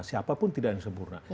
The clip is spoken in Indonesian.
siapa pun tidak ada yang sempurna